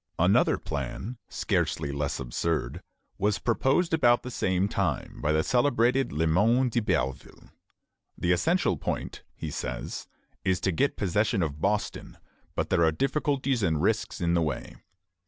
" Another plan, scarcely less absurd, was proposed about the same time by the celebrated Le Moyne d'Iberville. The essential point, he says, is to get possession of Boston; but there are difficulties and risks in the way.